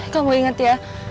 kamu ingat ya